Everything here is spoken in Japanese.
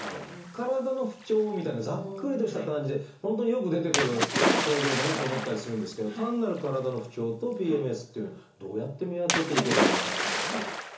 体の不調みたいなざっくりとした感じで本当によく出てくる症状だなと思ったりするんですけど単なる体の不調とＰＭＳっていうのはどうやって見分けていけばいいのかってことですが。